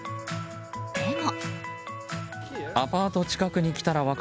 でも。